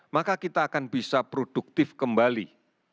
maka kita akan bisa produktif kembali